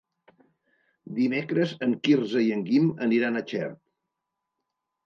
Dimecres en Quirze i en Guim aniran a Xert.